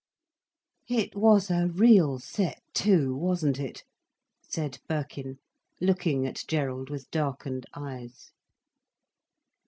"It was a real set to, wasn't it?" said Birkin, looking at Gerald with darkened eyes.